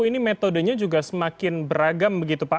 ini metodenya juga semakin beragam begitu pak